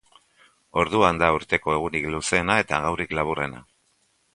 Orduan da urteko egunik luzeena eta gaurik laburrena.